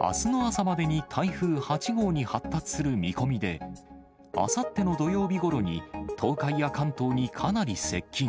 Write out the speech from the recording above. あすの朝までに台風８号に発達する見込みで、あさっての土曜日ごろに東海や関東にかなり接近。